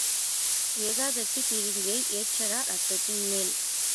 ஏகாதசித் திருடியை ஏற்றடா ரதத்தின்மேல்.